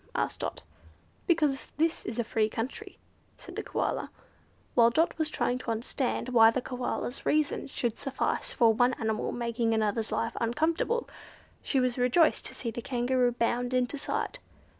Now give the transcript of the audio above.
asked Dot. "Because this is a free country," said the Koala. While Dot was trying to understand why the Koala's reason should suffice for one animal making another's life uncomfortable, she was rejoiced to see the Kangaroo bound into sight.